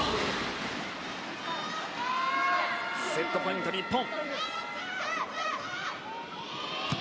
セットポイント、日本。